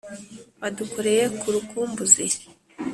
adukoreye ku rukumbuzi